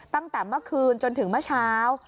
ตั้งแต่เมื่อคืนจนถึงเมื่อเช้า